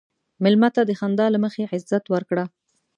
مېلمه ته د خندا له مخې عزت ورکړه.